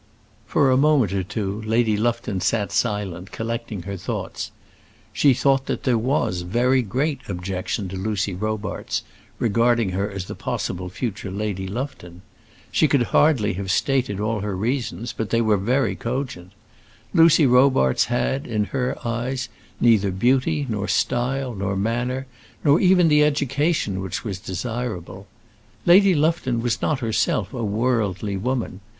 For a moment or two Lady Lufton sat silent, collecting her thoughts. She thought that there was very great objection to Lucy Robarts, regarding her as the possible future Lady Lufton. She could hardly have stated all her reasons, but they were very cogent. Lucy Robarts had, in her eyes, neither beauty, nor style, nor manner, nor even the education which was desirable. Lady Lufton was not herself a worldly woman.